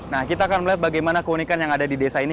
nah kita akan melihat bagaimana keunikan yang ada di desa ini